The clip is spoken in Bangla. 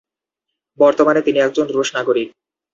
বর্তমানে তিনি একজন রুশ নাগরিক।